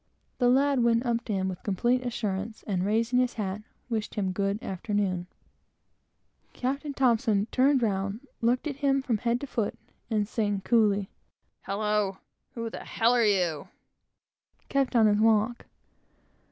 The lad went up to him with the most complete assurance, and raising his hat, wished him a good afternoon. Captain T turned round, looked at him from head to foot, and saying coolly, "Hallo! who the h are you?" kept on his walk.